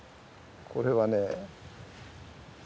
これはね。